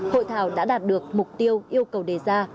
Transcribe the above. hội thảo đã đạt được mục tiêu yêu cầu đề ra